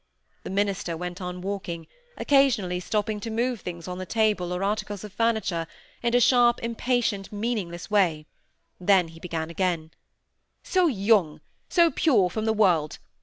The minister went on walking, occasionally stopping to move things on the table, or articles of furniture, in a sharp, impatient, meaningless way, then he began again,— "So young, so pure from the world!